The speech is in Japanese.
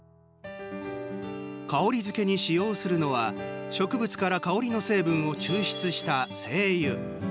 香り付けに使用するのは植物から香りの成分を抽出した精油。